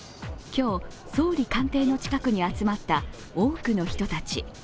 今日、総理官邸の近くに集まった多くの人たち。